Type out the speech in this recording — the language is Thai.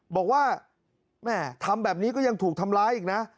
บอกว่าแม่ทำแบบนี้ก็ยังถูกทำร้ายอีกนะ